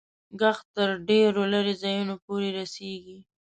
ږغ تر ډېرو لیري ځایونو پوري رسیږي.